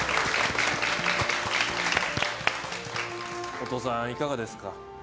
お父さん、いかがですか。